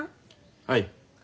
はい。